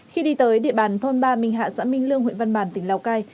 khi đi tới địa bàn thôn ba minh hạ xã minh lương huyện văn bàn tỉnh lào cai